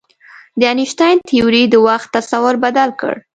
د انیشتین تیوري د وخت تصور بدل کړ.